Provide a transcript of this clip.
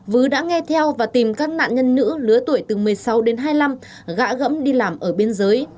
vứ đã nghe theo và tìm các nạn nhân nữ lứa tuổi từ một mươi sáu đến hai mươi năm gã gẫm đi làm ở biên giới